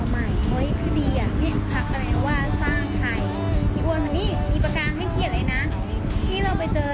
ป้ายหาเสียงแนวใหม่เฮ้ยดีอ่ะ